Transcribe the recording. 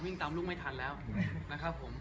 ตามลูกไม่ทันแล้วนะครับผม